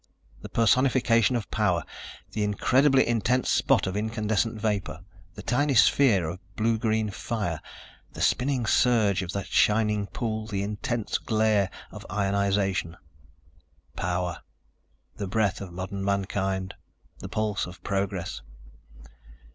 The personification of power the incredibly intense spot of incandescent vapor, the tiny sphere of blue green fire, the spinning surge of that shining pool, the intense glare of ionization. Power ... the breath of modern mankind, the pulse of progress.